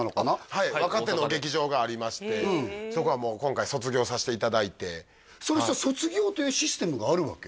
はい若手の劇場がありましてはい大阪でそこはもう今回卒業させていただいてそれさ卒業というシステムがあるわけ？